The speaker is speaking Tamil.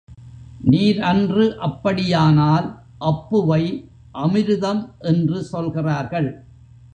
நீர் அன்று அப்படியானால், அப்புவை அமிருதம் என்று சொல்கிறார்கள்.